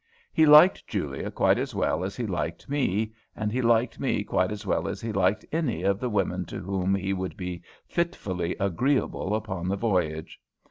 He liked Julia quite as well as he liked me, and he liked me quite as well as he liked any of the women to whom he would be fitfully agreeable upon the voyage.